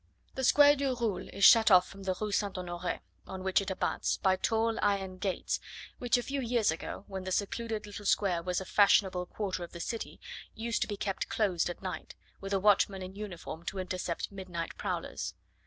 The Square du Roule is shut off from the Rue St. Honore, on which it abuts, by tall iron gates, which a few years ago, when the secluded little square was a fashionable quarter of the city, used to be kept closed at night, with a watchman in uniform to intercept midnight prowlers.